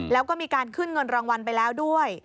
แล้วก็มีการขึ้นเงินรางวัลไปแล้วด้วย